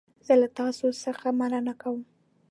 زه له تاسو څخه مننه کوم.